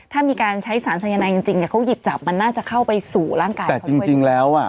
ถ้ามีการใช้สารสายนายจริงจริงเนี้ยเขาหยิบจับมันน่าจะเข้าไปสู่ร่างกายได้เพราะจริงจริงแล้วอ่ะ